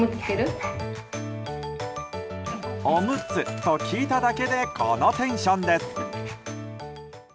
おむつと聞いただけでこのテンションです。